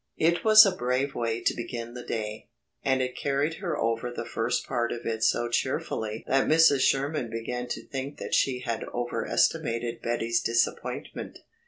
It was a brave way to begin the day, and it carried her over the first part of it so cheerfully that Mrs. Sherman began to think that she had overestimated Betty's disappointment.